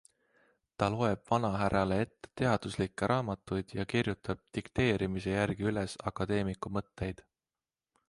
Ta loeb vanahärrale ette teaduslikke raamatuid ja kirjutab dikteerimise järgi üles akadeemiku mõtteid.